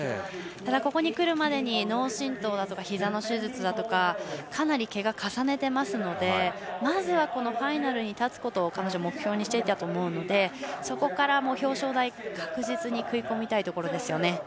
ただ、ここに来るまでに脳震とうやひざの手術とかかなり、けが重ねてますのでまずはファイナルに立つことを彼女、目標にしていたと思うのでそこから表彰台、確実に食い込みたいところですね。